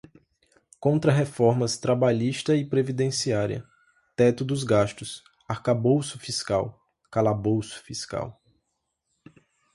Contrarreformas trabalhista e previdenciária, teto dos gastos, arcabouço fiscal, calabouço fiscal